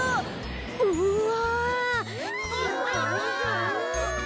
うわ。